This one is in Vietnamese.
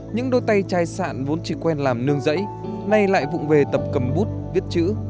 những đôi tay chai sạn vốn chỉ quen làm nương giấy nay lại vụn về tập cầm bút viết chữ